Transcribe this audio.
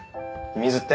水って？